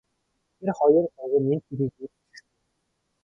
Тэр хоёр л уг нь энэ хэргийг үйлдчихсэн юм.